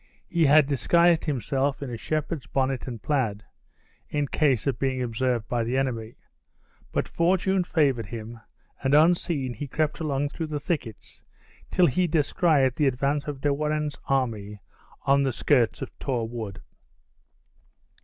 He had disguised himself in a shepherd's bonnet and plaid, in case of being observed by the enemy; but fortune, favored him, and unseen he crept along through the thickets, till he descried the advance of De Warenne's army on the skirts of Tor Wood.